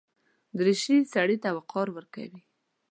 دریشي سړي ته وقار ورکوي.